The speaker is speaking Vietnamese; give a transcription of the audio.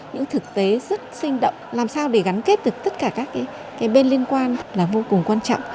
những thực tế rất sinh động làm sao để gắn kết được tất cả các bên liên quan là vô cùng quan trọng